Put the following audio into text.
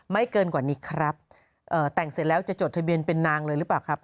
เกินกว่านี้ครับเอ่อแต่งเสร็จแล้วจะจดทะเบียนเป็นนางเลยหรือเปล่าครับ